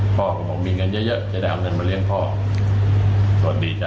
พ่อของผมมีเงินเยอะเยอะจะได้เอาเงินมาเลี้ยงพ่อสวัสดีจ้